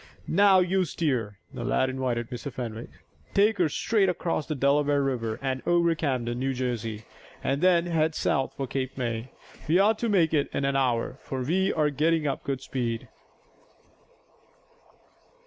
"Now you steer," the lad invited Mr. Fenwick. "Take her straight across the Delaware River, and over Camden, New Jersey, and then head south, for Cape May. We ought to make it in an hour, for we are getting up good speed."